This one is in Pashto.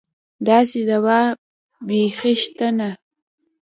داسې دوا بېخي شته نه.